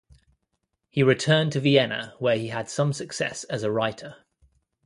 He returned to Vienna, where he had some success as a writer.